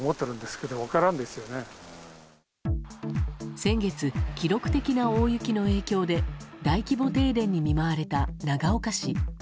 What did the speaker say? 先月、記録的な大雪の影響で大規模停電に見舞われた長岡市。